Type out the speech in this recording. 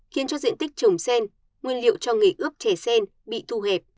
khiến cho diện tích trồng sen nguyên liệu cho nghề ướp chè sen bị thu hẹp